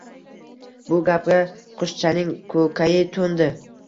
Bu gapga qushchaning ko‘kayi to‘ndi